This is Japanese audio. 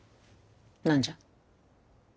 何じゃ。